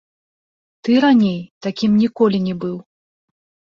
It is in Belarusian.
Ты раней такім ніколі не быў.